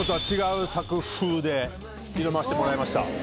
で挑ませてもらいました。